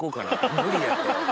無理やて。